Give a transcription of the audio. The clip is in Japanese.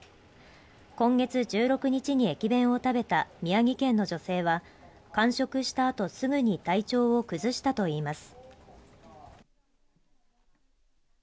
今月１６日に駅弁を食べた宮城県の女性は完食したあとすぐに体調を崩したといいます